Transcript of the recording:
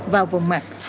vào vùng mặt